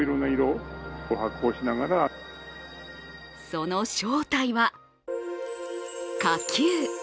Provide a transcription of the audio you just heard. その正体は、火球。